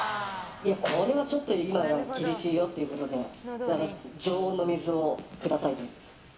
これはちょっと今、厳しいよっていうことで常温の水をくださいと。